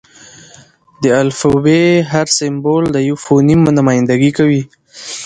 د الفبې: هر سېمبول د یوه فونیم نمایندګي کوي.